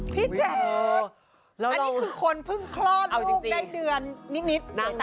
แจ๊ดอันนี้คือคนเพิ่งคลอดลูกได้เดือนนิด